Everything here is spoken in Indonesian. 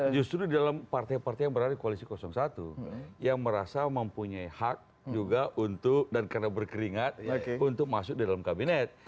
justru di dalam partai partai yang berada di koalisi satu yang merasa mempunyai hak juga untuk dan karena berkeringat untuk masuk di dalam kabinet